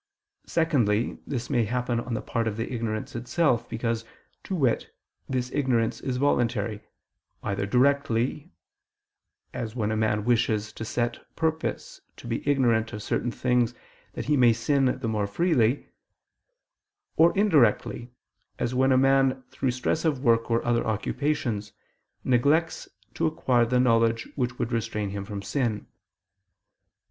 Secondly, this may happen on the part of the ignorance itself, because, to wit, this ignorance is voluntary, either directly, as when a man wishes of set purpose to be ignorant of certain things that he may sin the more freely; or indirectly, as when a man, through stress of work or other occupations, neglects to acquire the knowledge which would restrain him from sin.